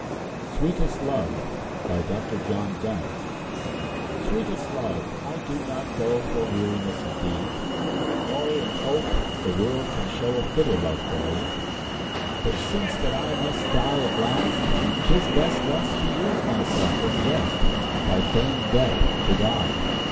Dr. John Donne. SWEETEST LOVE. Sweetest love, I do not go For weariness of thee, Nor in hope the world can show A fitter love for me. But since that I Must die at last, 'tis best Thus to use myself in jest By feigned death to die.